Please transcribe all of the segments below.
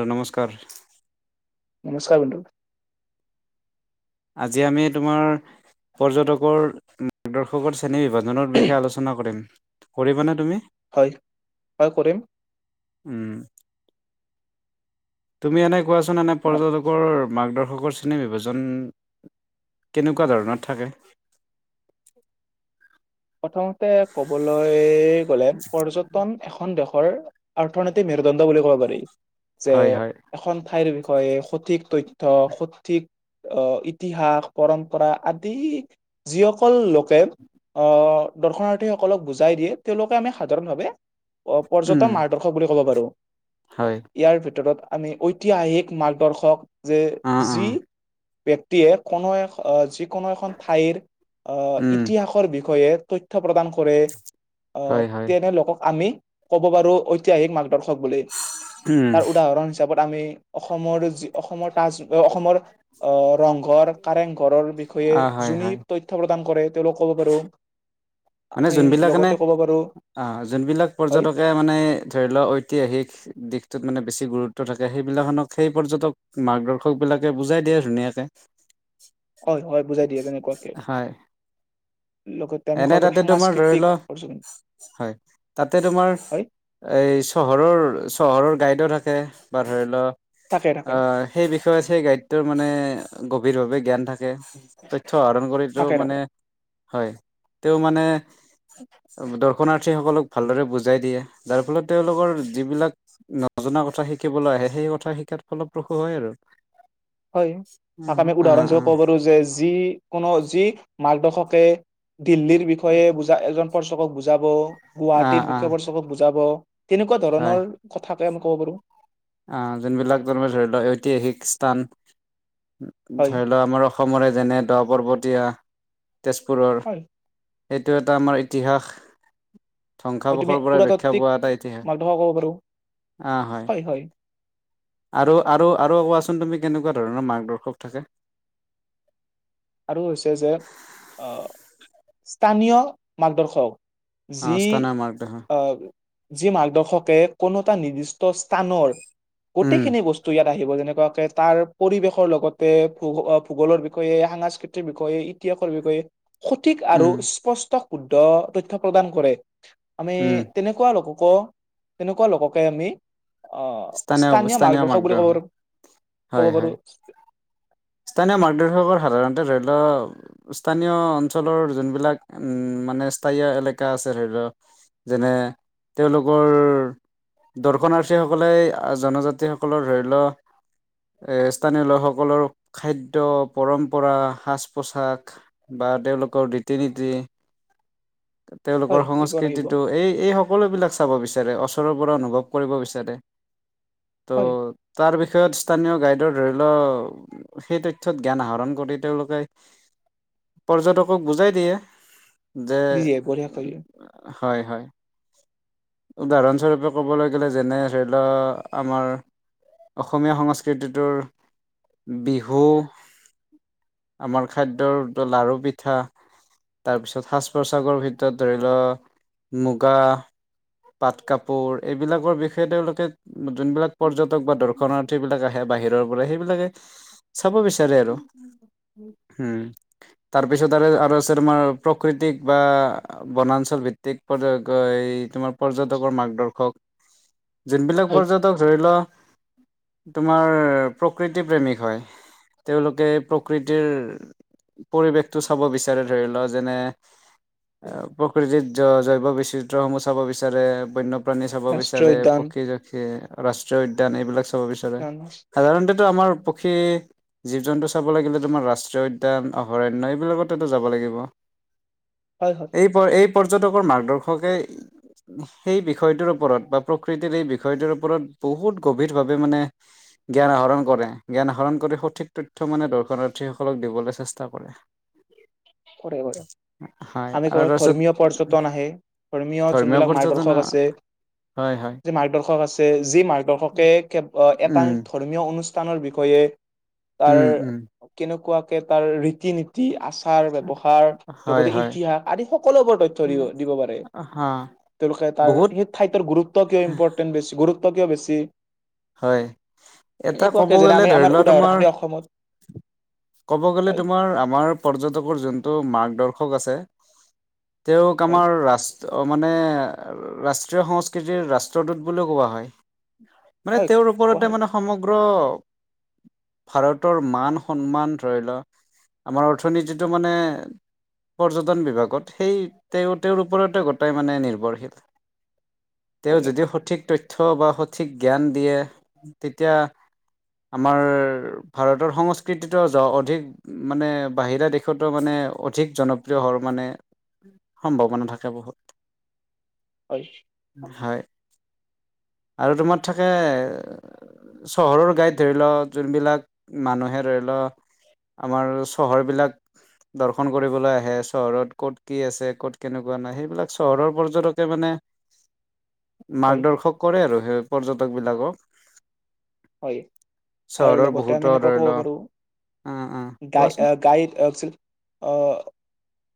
দউ নমস্কাৰ নমস্কাৰ বন্ধু আজি আমি তোমাৰ পৰ্যটকৰ মাৰ দৰ্শক। শ্ৰেণী বিভাজনৰ বিষয়ে আলোচনা কৰিম। কৰিব নে তুমি? হয় হয় কৰিম। উম। তুমি এনেক। কোৱাচোন এনে আ, পৰ্যটকৰ। মাৰ্গদৰ্শকৰ শ্ৰেণী বিভাজন কেনেকুৱা ধৰণৰ থাকে প্ৰথমতে ক'বলৈ গ'লে পৰ্যটন এখন দেশ! ৰ, অৰ্থনৈতিক মেৰুদণ্ড বুলি ক'ব পাৰি! যে, হয় হয় এখন ঠাইৰ বিষ হয় সঠিক তথ্য। ত সঠিক। আহ ইতিহাস পৰম্পৰা আদি যিসকল লোকে। আহ দৰ্শনাৰ্থীসকলক বুজাই দিয়ে, তেওঁলোকে আমি সাধাৰণ ভাৱে অঁ উম পৰ্যটন মাৰদৰ্শ বুলি। ক'ব পাৰো। হয় ইয়াৰ ভিতৰত আমি ঐতিহাসিক মাৰ্গদৰ্শক। যে অ অ যি। ব্যক্তিয়ে কোনো এখ যি। কোনো এখন ঠাইৰ আ উম ইতিহাসৰ বি, বিষয়ে তথ্য প্ৰদান কৰে। অঁ হয় হয় তেনেলোকক আমি- ক'ব পাৰো ঐতিহাসিক মান। দৰ্শক বুলি উম তাৰ উদাহৰণ হিচাপত আমি। অসমৰ যি অসমৰ তাজ অসমৰ। আঁহ ৰংঘৰ, কাৰেংঘৰৰ অ বিষয়ে হয় হয় যোনিৰ তথ্য প্ৰদান কৰে তেওঁলোক ক'ব পাৰো। মানে আমি যোনবিলাক মানে, লগতে ক'ব পাৰো অঁ, যোনবিলাক হয় পৰ্যটকে মানে ধৰি লোৱা ঐতিহাসিক দিশটোত মানে বেছি গুৰুত্ব থাকে সেইবিলাকক সেই পৰ্যটক মাৰ্গদৰ্শক বিলাকে বুজাই দিয়ে ধুনীয়াকে হয় হয় বুজাই দিয়ে তেনেকুৱাকে। হয় লগতে আমি এনে ক'ব পাৰো তাতে তোমাৰ সাংস্কৃতিক ধৰিল অৰ্জন হয় তাতে তোমাৰ হয় এই চহৰৰ চহৰৰ গাইডো থাকে বা ধৰিল। থাকে থাকে অঁ সেই বিষয়ে হে গাইডটোৰ মানে গভীৰভাৱে জ্ঞান থাকে ত উৎস আহৰণ কৰিতো থাকে থাকে মানে হয় তেওঁ মানে দৰ্শনাৰ্থীসকলক ভালদৰে বুজাই দিয়ে যাৰ ফলত তেওঁলোকৰ যিবিলাক নজনা কথা শিকিবলৈ আহে সেই কথা শিকাত ফলপ্ৰসূ হয় আৰু। হয় তাক আমি অ অ উদাহৰণ স্বৰূপে ক'ব পাৰো যে যি কোনো যি মাৰ্কদৰ্শকে দিল্লীৰ বিষয়ে বুজা এজন দৰ্শকক বুজাব অ গুৱাহাটীৰ অ বিষয়বোৰ চবত বুজাব কেনেকুৱা ধৰণৰ কথা এনেকৈ ক'ব পাৰো আঁ যোনবিলাক যেনে ধৰি লওক ঐতিহাসিক স্থান হয় ধৰি লও আমাৰ অসমৰে যেনে দহ পৰ্বত দিয়া তেজপুৰৰ হয় এইটো এটা আমাৰ ইতিহাস হয় তুমি ধ্বংসাবসৰ পৰা ৰক্ষা পুৰাতাত্ত্বিক পোৱা এটা ইতিহাস মাৰ্গদৰ্শক ক'ব পাৰো আঁ হয় আৰু আৰু আৰু কোৱাচোন তুমি কেনেকুৱা ধৰণৰ মাৰ্গদৰ্শক থাকে আৰু হৈছে যে আঁ স্থানীয় মাৰ্গদৰ্শক অ যি স্থানীয় মাৰ্গদৰ্শক আঁ যি মাৰ্গদৰ্শকে কোনো এটা নিৰ্দিষ্ট স্থানৰ উম গোটেইখিনি বস্তু ইয়াত আহিব যেনেকুৱাকে তাৰ পৰিৱেশৰ লগতে ভূ ভূগোলৰ বিষয়ে সাংস- স্কৃতিৰ বিষয়ে ইতিহাসৰ বিষয়ে সঠিক আৰু উম স্পষ্ট শুদ্ধ তথ্য প্ৰদান কৰে আমি উম তেনেকুৱা লোকক তেনেকুৱা লোককে আমি আহ স্থানীয় স্থানীয় বুলি ক'ব মাৰ্গদৰ্শক পাৰো ক'ব হয় পাৰো হয় স্থানীয় মাৰ্গদৰ্শকৰ সাধাৰণ এ ধৰি লও স্থানীয় অঞ্চলৰ যোনবিলাক উম মানে স্থায়ীয় এলেকা আছে ধৰি লও যেনে তেওঁলোকৰ দৰ্শনাৰ্থী- সকলে জনজাতিসকলৰ ধৰি লওক স্থানীয় লোকসকলৰ খাদ্য পৰম্পৰা সাজ পোছাক বা তেওঁলোকৰ ৰীতি নীতি হয় তেওঁলোকৰ এইবোৰ আহিব সংস্কৃতিটো এই এই সকলো বিলাক চাব বিচাৰে, ওচৰৰ পৰা অনুভৱ কৰিব বিচাৰে। ত' হয় তাৰ বিষয়ত স্থানীয় গাইড ধৰি লও সেই তথ্যত জ্ঞান আহৰণ কৰি তেওঁলোকে পৰ্য্যটকক বুজাই দিয়ে। যে দিজিয়ে বঢ়িয়া খাযিয়ে। হয় হয় উদাহৰণস্বৰূপে ক'বলৈ গ'লে যেনে- ধৰিল আমাৰ অসমীয়া সংস্কৃতিটোৰ বিহু আমাৰ খাদ্যৰ লাৰু পিঠা তাৰপিছত সাজ পোছাকৰ ভিতৰত ধৰিল মুগা পাট কাপোৰ এইবিলাকৰ বিষয়ে সে তেওঁলোকে যোনবিলাক পৰ্য্যটক বা দৰ্শনাৰ্থী বিলাক আহে বাহিৰ। বাহিৰপৰা সেইবিলাকে চা চাব বিচাৰে আৰু উম তাৰপিছত আৰু আৰু আছে তোমাৰ প্ৰকৃতিক বা বনাঞ্চল ভিত্তিক পদৰ গায়ী তোমাৰ পৰ্যটকৰ মাৰ্গ দৰ্শক। যোনবিলাক হয় পৰ্য্যটক‌‌ ধৰি ল তোমাৰ প্ৰকৃতি প্ৰেমিক হয় তেওঁলোকে প্ৰকৃতিৰ পৰিৱেশটো চাব বিচাৰে, ধৰি লোৱা যেনে প্ৰকৃতিত জৈৱ বিচিত্ৰ সমূহ চাব বিচাৰে বন্য প্ৰাণী চাব ৰাষ্ট্ৰীয় বিচাৰে। উদ্যান ৰাষ্ট্ৰীয় উদ্যান এইবিলাক চাব বিচাৰে সাধাৰণতেটো আমাৰ পক্ষী, জীৱ জন্তু চাব লাগিলে তোমাৰ ৰাষ্ট্ৰীয় উদ্যান, অভয়াৰণ্য এইবিলাকতো যাব লাগিব। হয় হয় এই প এইপ পৰ্যটকৰ মাৰ্গদৰ্শকে সেই বিষয়টোৰ ওপৰত বা প্ৰকৃতিৰ এই বিষয়টোৰ ওপৰত বহুত গভীৰভাৱে মানে জ্ঞান আহৰণ কৰে। জ্ঞান আহৰণ কৰি সঠিক তথ্য মানে দৰ্শনাৰ্থীসকলক দিবলৈ চেষ্টা কৰে। কৰে কৰে হয় আমি আৰু কৰ তাৰপিছত ধৰ্মীয় পৰ্যটন আহে ধৰ্মীয় যোনবিলাক মাৰ্গদৰ্শক আছে। হয় হয় যে মাৰ্গদৰ্শক আছে। যি মাৰ্গদৰ্শকে এটা উম ধৰ্মীয় অনুষ্ঠানৰ বিষয়ে তাৰ উম উম কেনেকুৱা তাৰ ৰীতি-নীতি আচাৰ পঢ়াৰ হয় লগতে হয় ইতিহাস আদি সকলোবোৰ তথ্য দি উম দিব পাৰে। হা তেওঁলোকে তাৰ বহুত সেই ঠাইটোৰ গুৰুত্ব কিয় ইম্পৰ্টেণ্ট বেছি গুৰুত্ব ত্ব কিয় বেছি হয় এটা ক'ব এনেকুৱাকে যেনে গ'লে, আমি ধৰি আমাৰ লোৱা উদাহৰণ তোমাৰ আমি অসমত ক'ব গ'লে হয় তোমাৰ আমাৰ পৰ্য্যটকৰ যোন টো মাৰ্গদৰ্শক আছে তেওঁক হয় আমাৰ ৰাষ্ট মানে ৰাষ্ট্ৰীয় সংস্কৃতিৰ ৰাষ্ট্ৰদূত বুলিও কোৱা হয়। মানে, হয় তেওঁৰ কোৱা ওপৰতে হয় মানে সম গ্ৰ ভাৰতৰ মান সন্মান ধৰি লোৱা আমাৰ অৰ্থনীতিটো মানে পৰ্যটন বিভাগত সেই তেওঁ তেওঁৰ ওপৰতে গোটেই মানে নিৰ্ভৰশীল তেওঁ কৰে যদিও সঠিক তথ্য থ্য' বা সঠিক। জ্ঞান দিয়ে, তেতিয়া, আমাৰ ভাৰতৰ সংস্কৃতিটো অধিক, মানে বাহিৰা দেশতো মানে অধিক জনপ্ৰিয় হোৱাৰ মানে, সম্ভাৱনা থাকে বহুত। হয়। হয়, আৰু তোমাত থাকে, চহৰৰ গাইত ধৰি লও যোনবিলাক, মানুহে ধৰি ৰেলৰ আমাৰ চহৰবিলাক দৰ্শন কৰিবলৈ আহে চহৰত ক'ত কি আছে ক'ত কেনেকুৱা নাই সেইবিলাক চহৰৰ পৰ্যটকে মানে। হয় মাৰ্গদৰ্শক কৰে আৰু। [unintelligible] পৰ্যটক বিলাকক। হয়, আৰু চহৰৰ লগতে আমি বহুতো এনেকুৱা ধৰি ক'ব লও পাৰো অ অ গাই কোৱাচোন - অ' - গাইড অ ছিল, অ'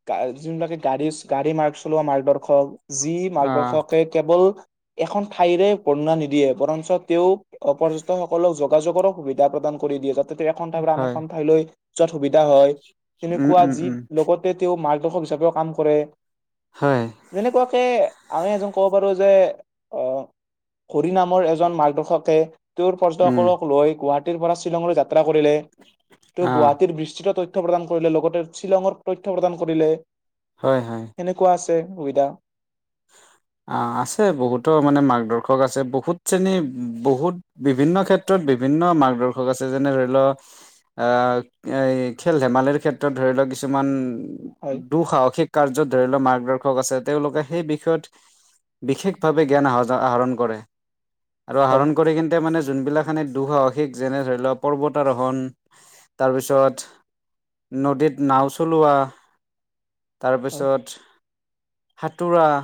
গা - যোনিলাকে গাড়ী - গাড়ী মাৰ্ক চলোৱা মাৰ্গ দৰ্শক যি অ মাৰ্গদৰ্শকে কেৱল এখন ঠাইৰে বৰ্ণনা নিদিয়ে বৰঞ্চ তেওঁ অপৰজ ত সকলক যোগাযোগৰো সুবিধা প্ৰদান কৰি দিয়ে তাত তাতে এখন ঠাইৰ পৰা আন হয় এখন ঠাইলৈ যত সুবিধা হয় উম তেনেকুৱা উম যি উম লগতে তেওঁ মাৰ্গ দৰ্শক হিচাপেও কাম কৰে। হয় যেনেকোৱাকে আমি এজন ক'ব পাৰো যে, অ' হৰি নামৰ এজন মাৰ্গদৰ্শকে তেওঁৰ পৰ্যটক উম সকলক লৈ গোৱাত টিৰ পৰা চি শ্বিলংলৈ যাত্ৰা কৰিলে, তেওঁ অ গুৱাহাটীৰ বিস্তৃত তইত তথ্য প্ৰদান কৰিলে লগতে শ্বিলঙৰ তথ্য প্ৰদান কৰিলে। হয় হয়। তে সুবিধা। অ' আছে বহুতো মানে মাৰ্গদৰ্শক আছে, বহুত শ্ৰেণী বহুত বিভিন্ন ক্ষেত্ৰত বিভিন্ন মাৰ্গদৰ্শক আছে, যেনে ধৰি ল্ আ এই খেল ধেমালিৰ ক্ষেত্ৰত ধৰি লওক কিছুমান হয়, দুঃসাহসিক কাৰ্যত ধৰি লোৱা মাৰ্গদৰ্শ শক আছে তেওঁলোকে সেই বিষ ষয়ত, বিশেষভাৱে জ্ঞান আহজ - আহৰণ কৰে। আৰু হয়, আহৰণ কৰি কিন্তে মানে যোনবিলাখানে দুঃসাহসিক যেনে ধৰি ল পৰ্বতাৰোহণ তাৰপিছত নদীত নাও চলোৱা হয়, তাৰপিছত সাঁতোৰা। [inaudible]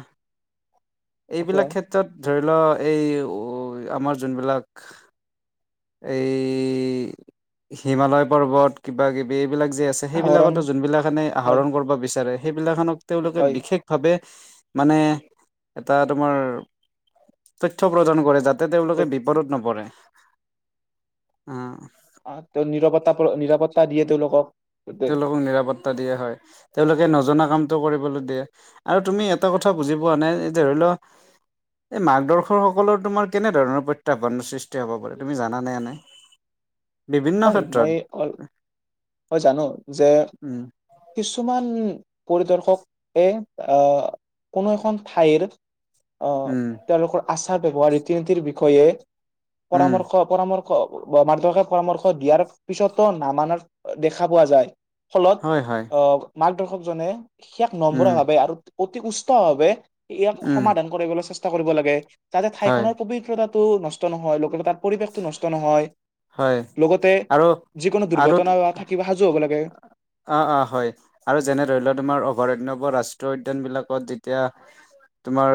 এইবিলাক অতৰা ক্ষেত্ৰত ধৰি ল এই ও আমাৰ যোন বিলাক, এই হিমালয় পৰ্বত কিবাকিবি এই বিলাক যে আছে আহৰণ সেইবিলাকতো যোনবিলাখানে হয়, আহৰণ কৰবা বিচাৰে সেইবিলাখানক তেওঁলোকে হয়, বিশেষভাৱে মানে এটা তোমাৰ তথ্য প্ৰদান কৰে যাত তাতে তেওঁলোকে ত' বিপদত নপৰে উম অ তেওঁ নিৰাপত্তা নিৰাপত্তা দিয়ে তেওঁলোকক তে- তেওঁলোকক নিৰাপত্তা দিয়া হয় তেওঁলোকে নজনা কামটো কৰিবলৈ দিয়ে আৰু তুমি এটা কথা বুজি পোৱা নাই ধৰি লও এই মাৰ্গদৰ্শকসকলৰ তোমাৰ কেনেধৰণৰ প্ৰত্যাহ্বানৰ সৃষ্টি হ'ব পাৰে তুমি জানানে এনেই বিভিন্ন মই অল- ক্ষেত্ৰত হয় জানো যে উম কিছুমান পৰিদৰ্শকে এ কোনো এখন ঠাইৰ অ উম, তেওঁলোকৰ আচাৰ ব্যৱহাৰ ৰীতি নীতিৰ বিষয়ে উম, পৰামৰ্শ অপৰামৰ্শ [unintelligible] পৰামৰ্শ দিয়াৰ পিছতো নামানা দেখা পোৱা যায় ফলত হয়, হয়, অ মাৰ্গদৰ্শকজনে সেয়াক উম, নম্ৰভাৱে আৰু অতি উষ্টভাৱে ইয়াক উম, সমাধান কৰিবলৈ চেষ্টা কৰিব লাগে যাতে হয়, ঠাইখনৰ পবিত্ৰতা টো নষ্ট নহয় লোকেল তাত পৰিৱেশটো নষ্ট নহয় হয় লগতে আৰু যিকোনো আৰু দুৰ্ঘটনা থাকিব সাজু হ'ব লাগে অ অ হয় আৰু যেনে ধৰি লওক তোমাৰ অভয়াৰণ্য ৰাষ্ট্ৰীয় উদ্যান বিলাকত যেতিয়া তোমাৰ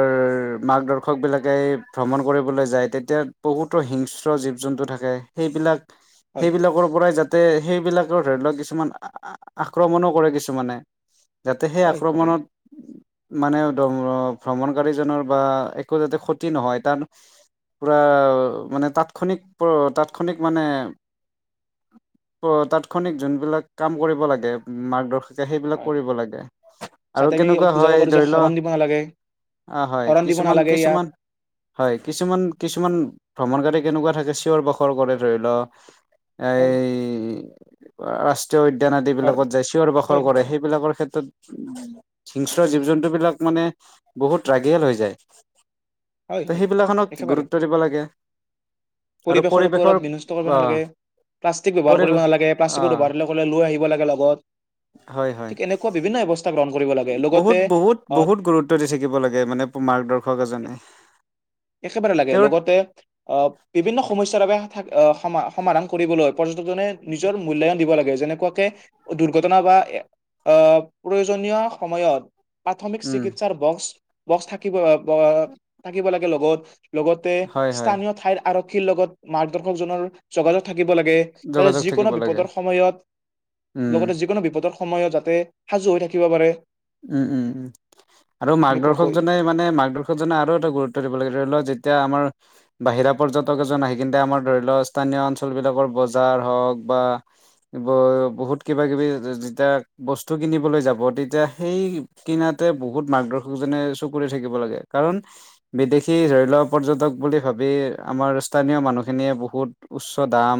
মাৰ্গদৰ্শক বিলাকে ভ্ৰমণ কৰিবলৈ যায় তেতিয়া বহুতো হিংসছ জীৱ জন্তু থাকে সেইবিলাক হয় সেইবিলাকৰ পৰাই যাতে সেইবিলাক ধৰি লওক কিছুমান আক্ৰমণো কৰে কিছুমানে যাতে সেই হয় কৰে আক্ৰমণত মানে ভ্ৰমণকাৰীজনৰ বা একো যাতে ক্ষতি নহয় তাৰ পুৰা মানে তাত তাৎক্ষণিক তাৎক্ষণিক মানে তাৎক্ষণিক যোনবিলাক কাম কৰিব লাগে মাৰ্গদৰ্শক তেতিয়া সেইবিলাক হয় কৰিব লাগে। আৰু যাতে আমি তেনেকোৱা বুজাব হয়, পাৰো যে ধৰি ল' হৰণ দিব নালাগে অঁহ হয়। হৰণ দিব কিছুমান, নালাগে ইয়াত কিছুমান হয়, কিছুমান, কিছুমান ভ্ৰমণকাৰী- তেনেকোৱা থাকে চিঞৰ, বাখৰ কৰে ধৰি লওঁক- হয় এই- আ ৰাচ ীয় উদ্যান আদি হৰ বিলাকত যে চিঞৰ বাখৰ হয় কৰে, সেই বিলাকৰ ক্ষেত্ৰত- হিংস্ৰ, জীৱ- জন্তু বিলাক মানে বহুত ৰাগিয়াল হৈ যায়। হয় ত' হয় সেইবিলাক কামত একেবাৰে গুৰুত্ব দিব লাগে। পৰিৱেশৰ ওপৰত বিনষ্ট কৰিব আহ নালাগে, প্লাষ্টিক ব্যৱহাৰ কৰিব পৰিৱেশ নালাগে, প্লাষ্টিকৰ আহ ব্যৱহাৰ কৰিলে লৈ আহিব লাগে, লগত। হয় হয় ঠিক' এনেকুৱা বিভিন্ন ব্যৱস্থা- গ্ৰহণ কৰিব লাগে লগতে বহুত, বহুত, অ বহুত গুৰুত্ব দি থাকিব লাগে, মানে মাৰ্গদৰ্শক এজনে। একেবাৰে লাগে। তেওঁৰ লগতে আহ বিভিন্ন সমস্যাৰ বাবে- সমাধান কৰিবলৈ- পৰ্যটকনে নিজৰ মূল্যবান দিব লাগে। যেনে- এনেকুৱা কে দুৰ্ঘটনা বা' আঁহ প্ৰয়োজনীয় সময়ত- প্ৰাথমিক উম চিকিৎসাৰ বক্স- থাকিব, থাকিব লাগে, লগত- লগতে হয় হয় স্থানীয় ঠাইৰ আৰু- লগত মাৰ্গদৰ্শকজনৰ যোগা-যোগ- থাকিব লাগে। তা'তে যোগাযোগ যিকোনো থাকিব লাগে বিপদৰ সময়ত, উম লগতে যিকোনো বিপদৰ- সময়ত যাতে সাজু হৈ থাকিব পাৰে। উম, উম, উম আৰু এনেকুৱাকৈ মাৰ্দৰ্শকজনে মানে, মাৰ্দৰ্শকজনে আৰু এটা গুৰুত্ব- দিব লাগে। ধৰি লওঁ যেতিয়া আমাৰ বাহিৰা পৰ্যটক এজন আহি কিনি তে' আমাৰ ধৰি লওঁক স্থানীয় অঞ্চল বিলাকৰ বজাৰ হওঁক বা বহুত কিবা-কিবি। যেতিয়া বস্তু কিনিবলৈ যাব, তেতিয়া- সেই খিনিতে বহুত মাৰ্গদৰ্শক জনে চকু দি থাকিব লাগে। কাৰণ বিদেশী ধৰি লওঁক, পৰ্যটক বুলি ভাবি আমাৰ স্থানীয় মানুহখিনিয়ে বহুত উচ্চ দাম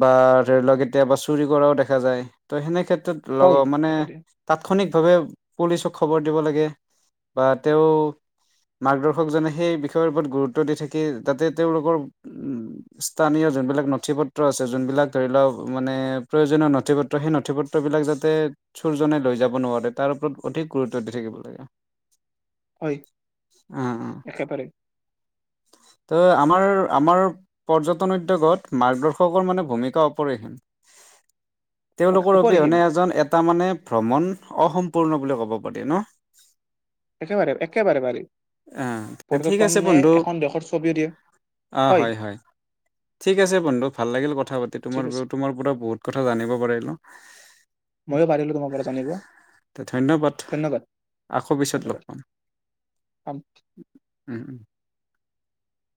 বা ধৰি লওঁক কেতিয়াবা চুৰি কৰাওঁ দেখা যায়। ত' সেনেকোৱা ক্ষেত্ৰত- হয় মানে তেখেতে তাৎক্ষণিক- াৱে পুলিচক খবৰ দিব লাগে। বা' তেওঁ মাৰ্গদৰ্শকজনে সেই বিষয়ৰ ওপৰত গুৰুত্ব দি থাকি যাতে তেওঁলোকৰ স্থানীয় যোনবিলাক নথি পত্ৰ আছে। যোনবিলাক ধৰি লওঁক মানে প্ৰয়োজনীয় নথি পত্ৰ, সেই নথি পত্ৰবিলাক যাতে চুৰজনে লৈ যাব নোৱাৰে। তাৰ ওপৰত অধিক গুৰুত্ব দি থাকিব লাগে। হয় উম, একেবাৰে ত' আমাৰ, আমাৰ পৰ্যটন উদ্যোগ'ত মাৰ্গদৰ্শকৰ মানে ভূমিকা অপৰিহীম। তেওঁলোকৰ অপৰিসীম অবিহনে এজন এটা মানে ভ্ৰমণ- অসম্পূৰ্ণ বুলি ক'ব পাৰি ন'। একেবাৰে একেবাৰে পাৰি আঁহ ঠিক আছে পৰ্যটনে বন্ধু। এখন দেশৰ ছবিও দিয়ে অঁ হয়, হয় ঠিক আছে বন্ধু ভাল লাগিল কথা পাতি ঠিক তোমাৰ, আছে তোমাৰ পৰা বহুত কথা জানিব পাৰিলো। ময়ো পাৰিলো তোমাৰ কথা জানিব ধন্যবাদ ধন্যবাদ আকৌ পিছত লগ ধন্যবাদ পাম। উম [unintelligible]